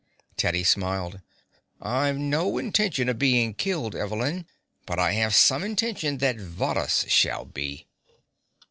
Teddy smiled. "I've no intention of being killed, Evelyn, but I have some intention that Varrhus shall be."